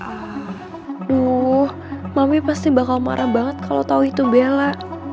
aduh mami pasti bakal marah banget kalau tau itu bella